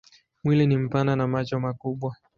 Mwili ni mpana na macho makubwa.